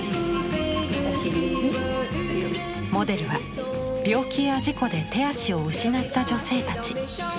モデルは病気や事故で手足を失った女性たち。